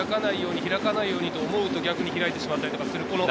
開かないようにと思うと逆に開いてしまったりする。